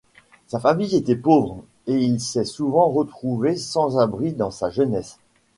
Sa famille était pauvre et il s'est souvent retrouvé sans abris dans sa jeunesse.